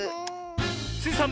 スイさん